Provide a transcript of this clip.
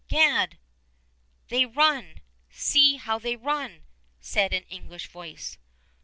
"Gad! they run! See how they run!" said an English voice.